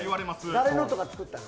誰のとか作ったの？